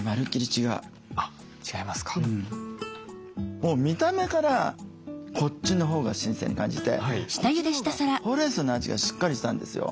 もう見た目からこっちのほうが新鮮に感じてこっちのほうがほうれんそうの味がしっかりしたんですよ。